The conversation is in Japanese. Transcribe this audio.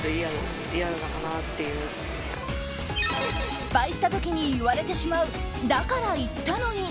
失敗した時に言われてしまうだから言ったのに。